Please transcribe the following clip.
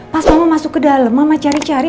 pas mama masuk ke dalam mama cari cari